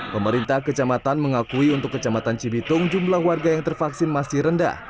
pemerintah kecamatan mengakui untuk kecamatan cibitung jumlah warga yang tervaksin masih rendah